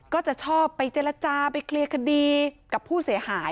ก็จะชอบไปเจรจาไปเคลียร์คดีกับผู้เสียหาย